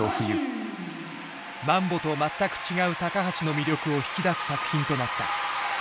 「マンボ」と全く違う橋の魅力を引き出す作品となった。